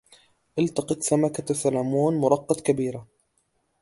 التقط سمكة سلمون مرقط كبيرة.